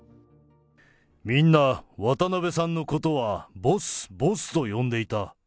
みんな渡辺さんのことは、ボス、ボスと呼んでいた。